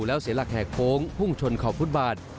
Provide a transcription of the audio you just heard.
แล้วเสียหลักแหกโค้งพุ่งชนขอบฟุตบาท